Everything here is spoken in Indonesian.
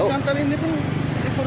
pasang kabin ini itu itu semua